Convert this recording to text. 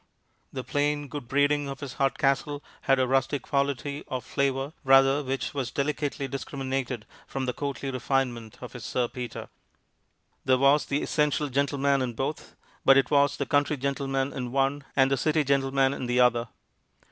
The plain good breeding of his Hardcastle had a rustic quality, or flavor, rather, which was delicately discriminated from the courtly refinement of his Sir Peter. There was the essential gentleman in both, but it was the country gentleman in one and the city gentleman in the other.